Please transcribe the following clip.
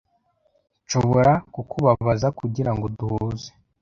Nshobora kukubabaza kugirango duhuze?